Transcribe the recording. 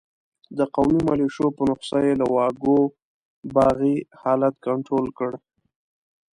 د قومي ملېشو په نسخه یې له واګو باغي حالت کنترول کړ.